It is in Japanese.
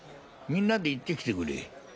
みんなで行ってきてくれ。